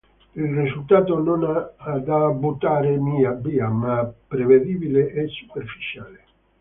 Il risultato non è da buttare via, ma prevedibile e superficiale.